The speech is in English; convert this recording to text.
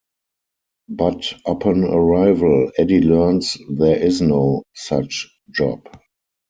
But upon arrival, Eddy learns there is no such job.